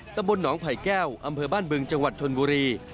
ตำบลหนองไผ่แก้วอำเภอบ้านบึงจังหวัดชนบุรี